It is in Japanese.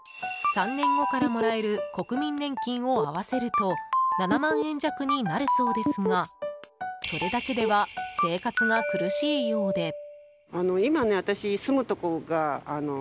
３年後からもらえる国民年金を合わせると７万円弱になるそうですがそれだけでは生活が苦しいようで。